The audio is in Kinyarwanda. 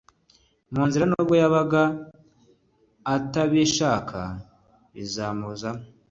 mu nzira nubwo yaba atabishaka bizamuzamo